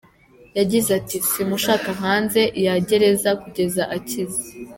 Yagize ati “Simushaka hanze yagereza kugeza akize.